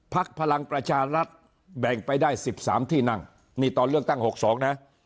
พลังประชารัฐแบ่งไปได้๑๓ที่นั่งนี่ตอนเลือกตั้ง๖๒นะ